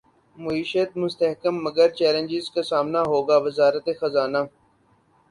معیشت مستحکم مگر چیلنجز کا سامنا ہوگا وزارت خزانہ